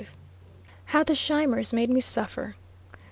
HOW THE SCHEIMERS MADE ME SUFFER.